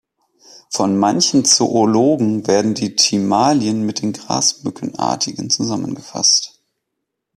Von manchen Zoologen werden die Timalien mit den Grasmückenartigen zusammengefasst.